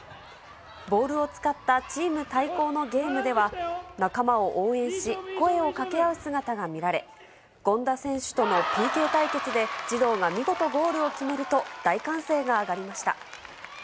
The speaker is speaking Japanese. ボールを使ったチーム対抗のゲームでは、仲間を応援し、声をかけ合う姿が見られ、権田選手とのＰＫ対決で、児童が見事ゴールを決めると、大歓声が上がりました。